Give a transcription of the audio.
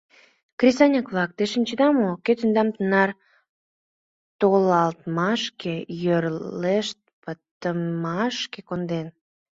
«Кресаньык-влак, те шинчеда мо, кӧ тендам тынар толалтмашке, йорлешт пытымашке конден?